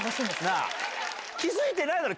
気付いてないだろ？